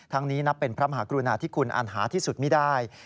ทั้งนี้นับเป็นพระมหากรุณาที่คุณอาณหาที่สุดไว้